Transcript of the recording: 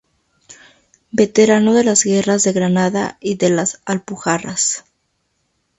Veterano de las guerras de Granada y de las Alpujarras.